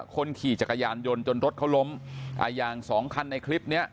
คนขี่จักรยานยนต์จนรถเขาล้มอ่าอย่างสองคันในคลิปเนี้ย